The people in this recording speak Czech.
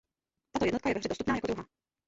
Tato jednotka je ve hře dostupná jako druhá.